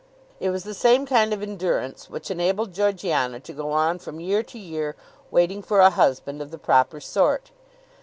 It was the same kind of endurance which enabled Georgiana to go on from year to year waiting for a husband of the proper sort.